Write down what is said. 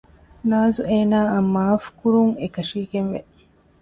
ނާޒު އޭނާއަށް މާފު ކުރުން އެކަށީގެންވެ